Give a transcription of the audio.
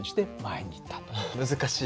難しい。